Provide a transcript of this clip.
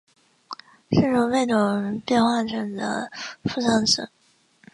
是从贝桶变化成的付丧神。